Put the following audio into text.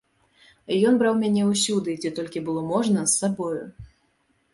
Ён браў мяне ўсюды, дзе толькі было можна, з сабою.